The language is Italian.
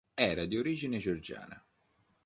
Era di origine georgiana.